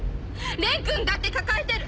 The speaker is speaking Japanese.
蓮君だって抱えてる！